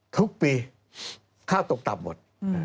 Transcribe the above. ทุกปีข้าวตกต่ำหมด